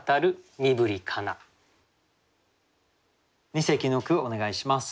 二席の句お願いします。